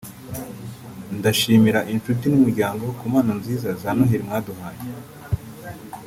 “Ndashimira inshuti n’umuryango ku mpano nziza za Noheli mwaduhaye